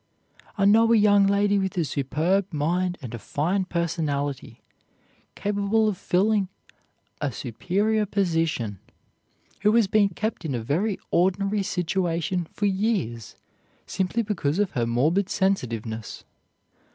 I know a young lady with a superb mind and a fine personality, capable of filling a superior position, who has been kept in a very ordinary situation for years simply because of her morbid sensitiveness.